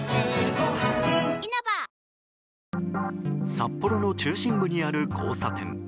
札幌の中心部にある交差点。